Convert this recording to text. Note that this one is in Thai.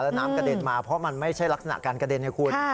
แล้วน้ำกระเด็นมาเพราะมันไม่ใช่ลักษณะการกระเด็นไงคุณ